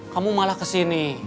kamu malah kesini